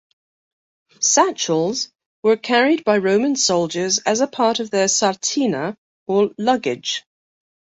Satchels were carried by Roman soldiers as a part of their "sarcina" or luggage.